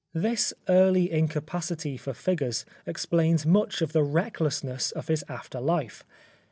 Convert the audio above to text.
This early incapa city for figures explains much of the recklessness of his after Ufe.